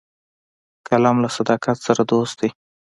قلم له صداقت سره دوست دی